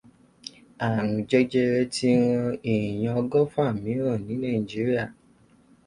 Ààrùn jẹjẹrẹ ti ran ènìyàn ọgọ́fà mìíràn ní Nàìjíríà.